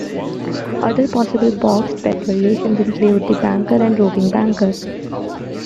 Other possible boxed bet variations include the "banker" and "roving banker".